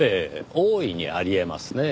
大いにあり得ますねぇ。